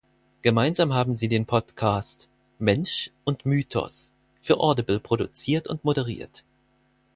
Gemeinsam haben sie den Podcast "Mensch und Mythos" für audible produziert und moderiert.